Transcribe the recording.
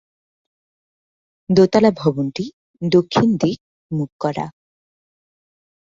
দোতলা ভবনটি দক্ষিণ দিক মুখ করা।